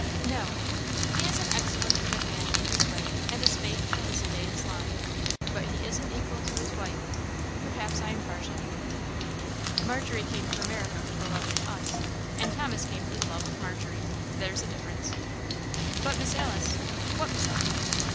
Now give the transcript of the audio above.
"No." "He is an excellent good man in his way, and as faithful as the day is long but he isn't equal to his wife. Perhaps I am partial; Margery came to America for the love of us, and Thomas came for the love of Margery there's a difference." "But, Miss Alice!" "What, Miss Ellen?"